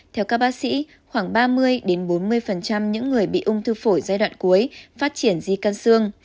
theo các bác sĩ khoảng ba mươi bốn mươi những người bị ung thư phổi giai đoạn cuối phát triển di căn xương